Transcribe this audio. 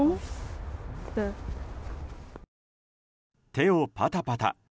手をパタパタ。